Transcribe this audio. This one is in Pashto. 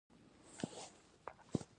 پیرودونکی په رښتینو معلوماتو باور کوي.